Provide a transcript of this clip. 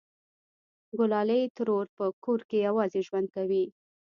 گلالۍ ترور په کور کې یوازې ژوند کوي